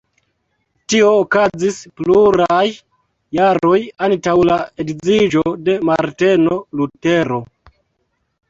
Tio okazis pluraj jaroj antaŭ la edziĝo de Marteno Lutero.